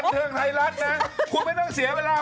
ที่หลังถามมีแต่ยืดยา้